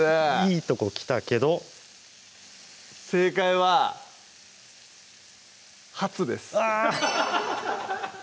いいとこきたけど正解はハツですあぁ！